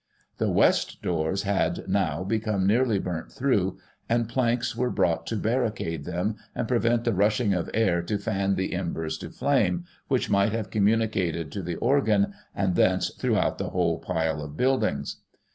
"The west doors had, now, become nearly burnt through, and planks were brought to barricade them, and prevent the rushing of air to fan the embers to flame, which might have communicated to the organ, and thence, throughout the whole pile of buildings.